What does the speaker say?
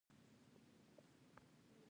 عطایي د خپلو اثارو له لارې نوښت راوستی دی.